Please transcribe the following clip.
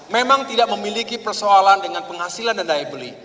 memang tidak memiliki persoalan dengan penghasilan dan daya beli